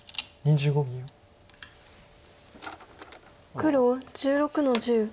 黒１６の十。